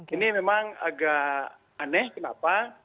ini memang agak aneh kenapa